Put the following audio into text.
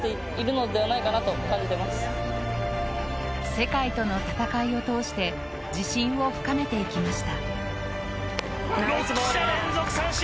世界との戦いを通して自信を深めていきました。